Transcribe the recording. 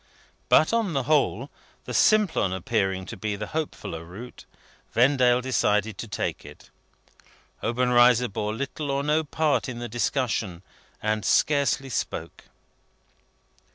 But, on the whole, the Simplon appearing to be the hopefuller route, Vendale decided to take it. Obenreizer bore little or no part in the discussion, and scarcely spoke.